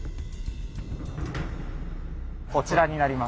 こちらになります。